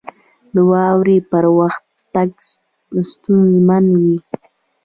• د واورې پر وخت تګ ستونزمن وي.